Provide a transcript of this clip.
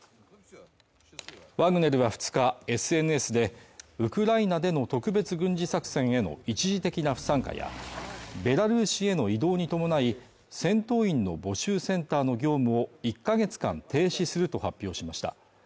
ワグネルは２日、ＳＮＳでウクライナでの特別軍事作戦への一時的な不参加やベラルーシへの移動に伴い、戦闘員の募集センターの業務を１か月間停止すると発表しました。